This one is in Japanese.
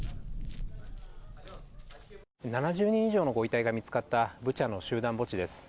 ７０人以上のご遺体が見つかったブチャの集団墓地です。